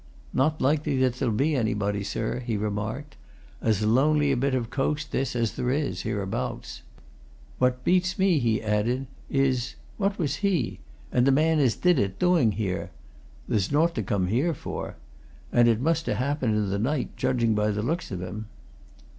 "Not likely that there'll be anybody, sir," he remarked. "As lonely a bit of coast, this, as there is, hereabouts. What beats me," he added, "is what was he and the man as did it doing, here? There's naught to come here for. And it must ha' happened in the night, judging by the looks of him."